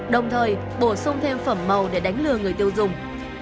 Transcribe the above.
đồng thời bổ sung thêm phẩm màu để đánh lừa người tiêu dùng